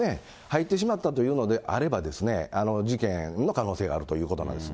入ってしまったというのであれば、事件の可能性があるということなんです。